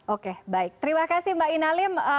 oke baik terima kasih mbak ina lim